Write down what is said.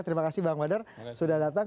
terima kasih bang wadar sudah datang